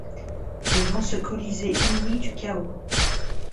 Devant ce colysée inouï du chaos !